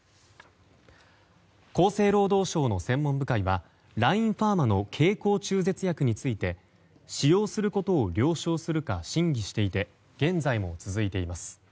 厚生労働省の専門部会はラインファーマの経口中絶薬について使用することを了承するか審議していて現在も続いています。